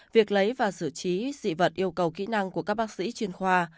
việc lấy và xử trí dị vật yêu cầu kỹ năng của các bác sĩ chuyên khoa